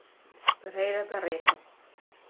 Pereira Barreto